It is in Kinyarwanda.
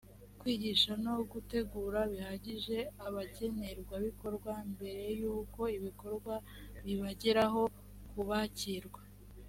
kwigisha no gutegura bihagije abagenerwabikorwa mbere y uko ibikorwa bibageraho kubakirwa